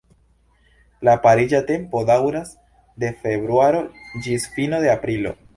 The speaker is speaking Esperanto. La pariĝa tempo daŭras de februaro ĝis fino de aprilo.